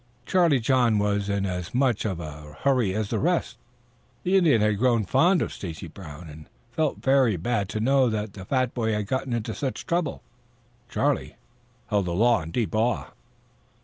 Charlie John was in as much of a hurry as the rest. The Indian had grown fond of Stacy Brown, and felt very bad to know that the fat boy had got into such trouble. Charlie held the law in deep awe.